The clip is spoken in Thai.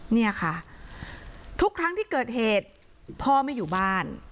เนี่ยค่ะทุกครั้งที่เกิดเหตุพ่อไม่อยู่บ้าน